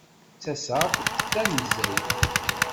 Ttaseɣ-d tanezzayt.